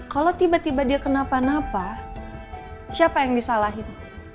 kalau tiba tiba dia kenapa napa siapa yang disalahin